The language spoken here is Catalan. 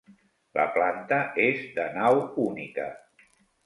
La planta és de nau única.